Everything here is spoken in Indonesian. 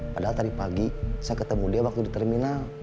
padahal tadi pagi saya ketemu dia waktu di terminal